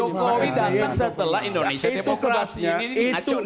jokowi datang setelah indonesia tepok rasi ini